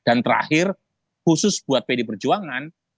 dan terakhir khusus buat pd perjuangan